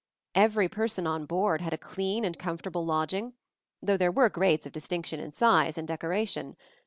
Every person on board had a clean and comfortable lodging, though there were grades of distinction in size and decoration.